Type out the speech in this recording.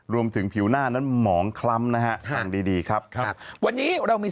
รวมถึงผิวหน้านั้นหมองคล้ำนะฮะดีครับครับวันนี้เรามี